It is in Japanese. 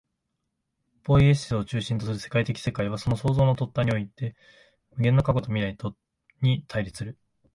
ポイエシスを中心とする歴史的世界は、その創造の尖端において、無限の過去と未来とに対立する。